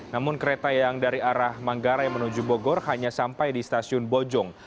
namun kereta yang dari arah manggarai menuju bogor hanya sampai di stasiun bojong